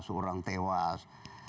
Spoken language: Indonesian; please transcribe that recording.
delapan belas orang tewas